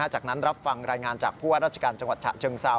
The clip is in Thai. จากนั้นรับฟังรายงานจากผู้ว่าราชการจังหวัดฉะเชิงเซา